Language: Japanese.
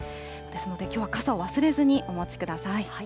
ですので、きょうは傘を忘れずにお持ちください。